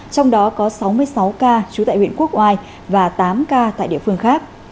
trong đó có sáu mươi sáu ca trú tại huyện quốc oai và tám ca tại địa phương khác